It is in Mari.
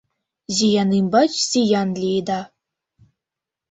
Зиян ӱмбач зиян лиеда...